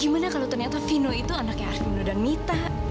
gimana kalau ternyata vino itu anaknya arvindo dan mita